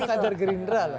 itu kadar gerindra lah ya